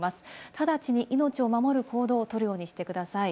直ちに命を守る行動をとるようにしてください。